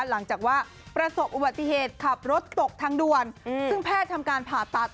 หลังจากว่าประสบอุบัติเหตุขับรถตกทางด่วนซึ่งแพทย์ทำการผ่าตัด